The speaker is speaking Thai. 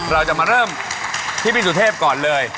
เราจะมาเริ่มที่พี่สุเทพก่อนเลย